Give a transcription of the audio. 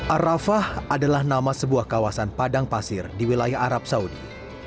arafah adalah nama sebuah kawasan padang pasir di wilayah arab saudi